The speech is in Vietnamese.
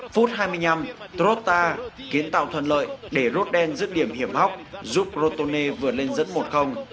phút hai mươi năm trotta kiến tạo thuận lợi để rodden giữ điểm hiểm hóc giúp crotone vượt lên dẫn một